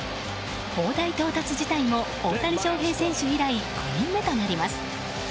大台到達自体も大谷翔平選手以来５人目となります。